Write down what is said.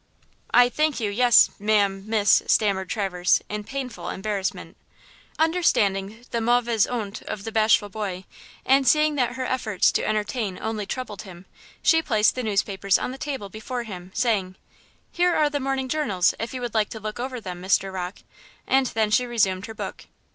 "I thank you–yes, ma'am–miss," stammered Traverse, in painful embarrassment. Understanding the mauvaise honte of the bashful boy, and seeing that her efforts to entertain only troubled him, she placed the newspapers on the table before him, saying: "Here are the morning journals, if you would like to look over them, Mr. Rocke," and then she resumed her book.